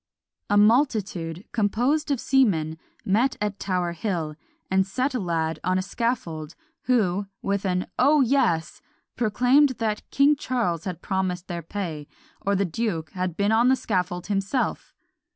A multitude, composed of seamen, met at Tower hill, and set a lad on a scaffold, who, with an "O yes!" proclaimed that King Charles had promised their pay, or the duke had been on the scaffold himself!